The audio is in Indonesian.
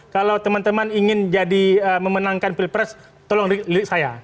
kalau teman teman ingin jadi memenangkan pilpres tolong rilik saya